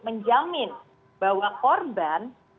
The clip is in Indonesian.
menjamin bahwa korban